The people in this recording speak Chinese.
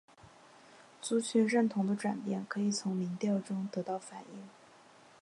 族群认同的转变可以从民调中得到反映。